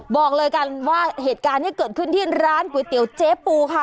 บอกเลยกันว่าเหตุการณ์ที่เกิดขึ้นที่ร้านก๋วยเตี๋ยวเจ๊ปูค่ะ